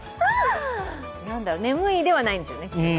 眠いではないんですよね、きっとね。